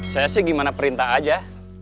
saya sih gimana perintah aja